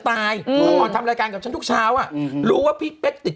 เมื่อก่อนทำรายการกับฉันทุกเช้าอ่ะอืมรู้ว่าพี่เป๊กติด